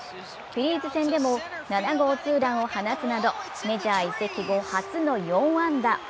フィリーズ戦でも７号ツーランを放つなど、メジャー移籍後初の４安打。